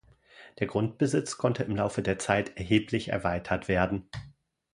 Der Grundbesitz konnte im Laufe der Zeit erheblich erweitert werden.